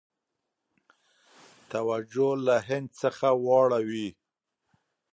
توجه له هند څخه واړوي.